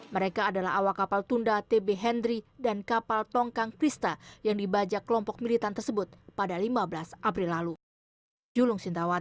mereka adalah awak kapal tunda tb hendry dan kapal tongkang krista yang dibajak kelompok militan tersebut pada lima belas april lalu